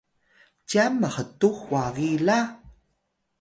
cyan mhtux wagi la?